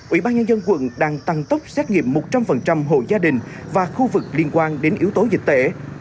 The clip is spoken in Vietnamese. ủy ban nhân dân quận đang tăng tốc xét nghiệm một trăm linh hộ gia đình và khu vực liên quan đến yếu tố dịch tễ